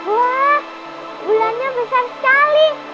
wah bulannya besar sekali